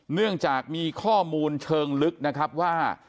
เนื่องจากมีข้อมูลเชิงลึกนะครับว่า